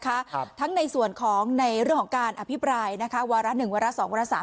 ครับทั้งในส่วนของในเรื่องของการอภิปรายนะคะวาระหนึ่งวาระสองวาระสาม